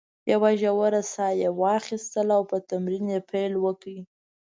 یوه ژوره ساه یې واخیستل او په تمرین یې پیل وکړ.